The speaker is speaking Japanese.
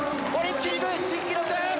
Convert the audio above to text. オリンピック新記録。